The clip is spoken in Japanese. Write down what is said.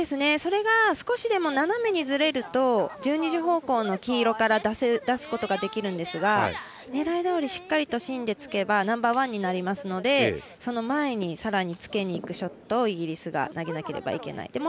それが少しでも斜めにずれると１２時方向の黄色から出すことができますが狙いどおりしっかりと芯でつけばナンバーワンになりますのでその前にさらにつけていくショットをイギリスが投げなければいけない。